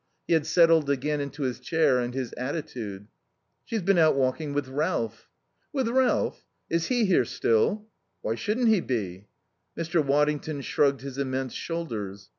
He had settled again into his chair and his attitude. "She's been out walking with Ralph." "With Ralph? Is he here still?" "Why shouldn't he be?" Mr. Waddington shrugged his immense shoulders.